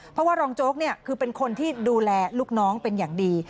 เพราะว่ารองโจ๊กคือเป็นคนที่ดูแลลูกน้องเป็นอย่างดี